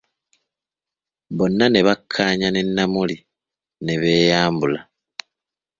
Bonna ne bakkaanya ne Namuli ne beyambula.